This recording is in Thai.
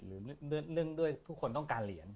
เนื่องด้วยทุกคนต้องการเหรียญ